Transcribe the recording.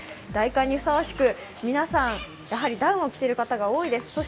大寒にふさわしく皆さん、やはりダウンを着てる方が多いです。